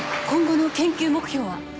今後の研究目標は？